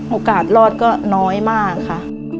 โอกาสรอดก็น้อยมากค่ะ